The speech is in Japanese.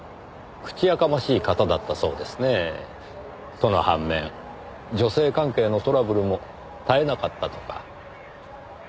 その反面女性関係のトラブルも絶えなかったとか。